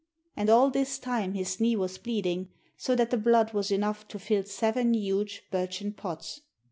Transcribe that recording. And all this time his knee was bleeding, so that the blood was enough to fill seven huge birchen pots.